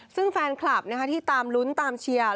ซึ่งแฟนคลับที่ตามลุ้นตามเชียร์